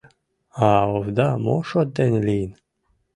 А овда мо шот дене лийын?